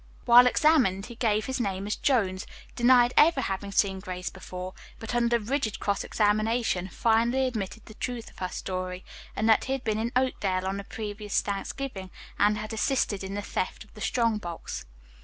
When examined, he gave his name as Jones, denied ever having seen Grace before, but under rigid cross examination finally admitted the truth of her story, and that he had been in Oakdale on the previous Thanksgiving and had assisted in the theft of the strong box.